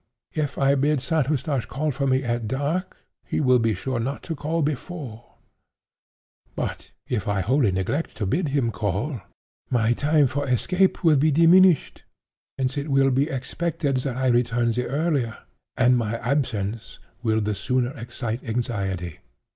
If I bid St. Eustache call for me at dark, he will be sure not to call before; but, if I wholly neglect to bid him call, my time for escape will be diminished, since it will be expected that I return the earlier, and my absence will the sooner excite anxiety.